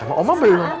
sama omah beli omah